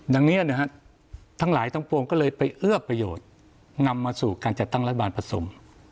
อย่างนี้นะฮะทั้งหลายทั้งปวงก็เลยไปเอื้อประโยชน์นำมาสู่การจัดตั้งรัฐบาลผสม